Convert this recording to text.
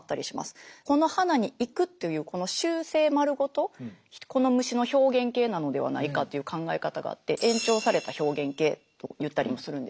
この花に行くというこの習性丸ごとこの虫の表現型なのではないかという考え方があって延長された表現型と言ったりもするんですけど。